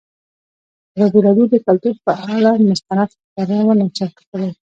ازادي راډیو د کلتور پر اړه مستند خپرونه چمتو کړې.